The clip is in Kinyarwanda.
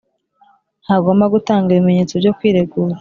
ntagomba gutanga ibimenyetso byo kwiregura